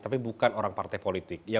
tapi bukan orang partai politik